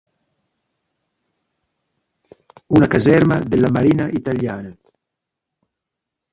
Una caserma della marina italiana.